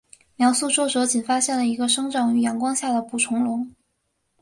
描述作者仅发现了一个生长于阳光下的捕虫笼。